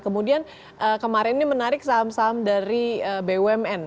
kemudian kemarin ini menarik saham saham dari bumn